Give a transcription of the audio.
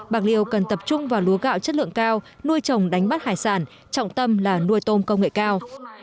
bạc liêu cần tập trung vào lúa gạo chất lượng cao nuôi trồng đánh bắt hải sản trọng tâm là nuôi tôm công nghệ cao